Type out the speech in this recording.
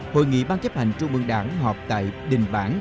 hội nghị ban chấp hành trung ương đảng họp tại đình bản